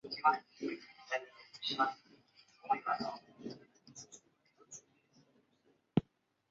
鹬虻科是分类在短角亚目下的虻下目中。